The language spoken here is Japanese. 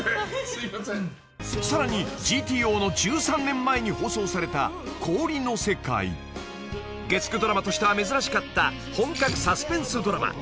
［さらに『ＧＴＯ』の１３年前に放送された『氷の世界』］［月９ドラマとしては珍しかった本格サスペンスドラマ］